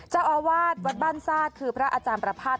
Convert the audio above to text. เจ้าอาวาสวัดบ้านซากคือพระอาจารย์ประพาท